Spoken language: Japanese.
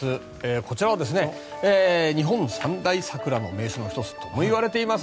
こちらは日本三大桜の名所の１つともいわれています